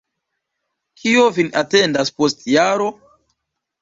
Kio vin atendas post jaro?